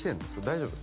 大丈夫？